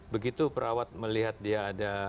begitu perawat melihat dia ada